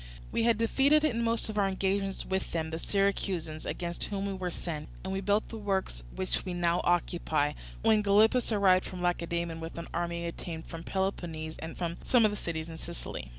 We had defeated in most of our engagements with them the Syracusans, against whom we were sent, and we had built the works which we now occupy, when Gylippus arrived from Lacedaemon with an army obtained from Peloponnese and from some of the cities in Sicily.